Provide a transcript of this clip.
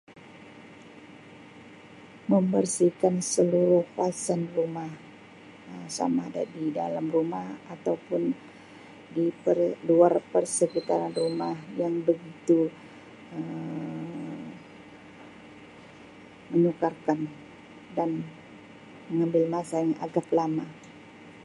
Membersihkan seluruh kawasan rumah Um sama ada di dalam rumah ataupun di per luar persekitaran rumah yang begitu Um menyukarkan dan mengambil masa yang agak lama.